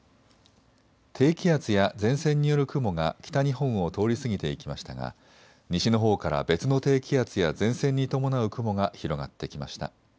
低気圧や前線による雲が北日本を通り過ぎていきましたが西のほうから別の低気圧や前線に伴う雲が広がってきました。